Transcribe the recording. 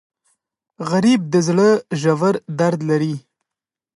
غریب د زړه ژور درد لري